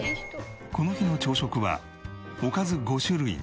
この日の朝食はおかず５種類に。